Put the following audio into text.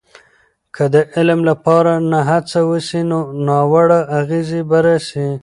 که د علم لپاره نه هڅه وسي، نو ناوړه اغیزې به راسي.